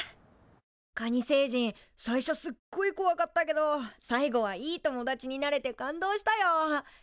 カニ星人最初すっごいこわかったけど最後はいい友達になれて感動したよ。